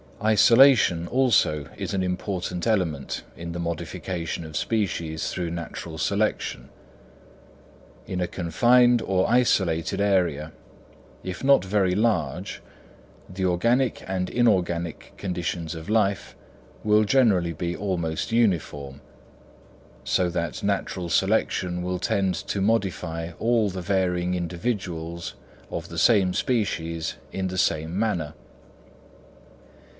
Isolation also is an important element in the modification of species through natural selection. In a confined or isolated area, if not very large, the organic and inorganic conditions of life will generally be almost uniform; so that natural selection will tend to modify all the varying individuals of the same species in the same manner.